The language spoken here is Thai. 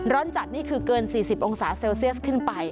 ร้อนจัดนี่คือเกิน๔๐องศาเซลเซียสขึ้นไป